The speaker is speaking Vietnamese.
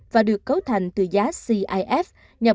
và được cấu thành từ giá cif